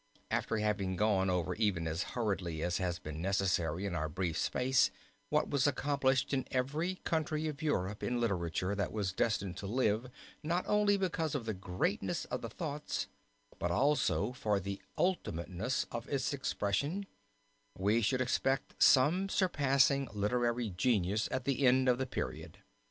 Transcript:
After having gone over even as hurriedly as has been necessary in our brief space, what was accomplished in every country of Europe in literature that was destined to live not only because of the greatness of the thoughts, but also for the ultimateness of its expression, we should expect some surpassing literary genius at the end of the period.